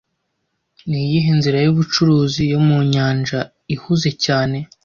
Niyihe nzira yubucuruzi yo mu nyanja ihuze cyane